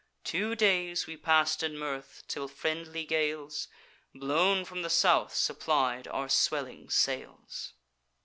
Two days we pass'd in mirth, till friendly gales, Blown from the south supplied our swelling sails.